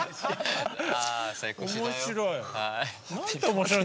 面白い。